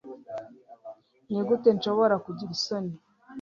Nigute nshobora kugira isoni